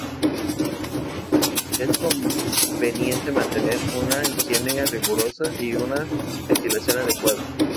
Es conveniente mantener una higiene rigurosa y una ventilación adecuada.